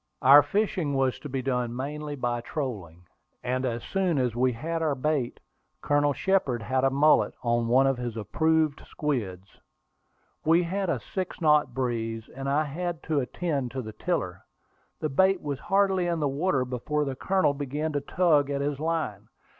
Our fishing was to be done mainly by trolling, and as soon as we had our bait, Colonel Shepard had a mullet on one of his approved squids. We had a six knot breeze, and I had to attend to the tiller. The bait was hardly in the water before the Colonel began to tug at his line.